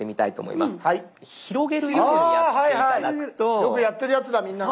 よくやってるやつだみんなが。